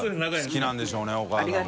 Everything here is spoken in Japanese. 好きなんでしょうねお母さんが。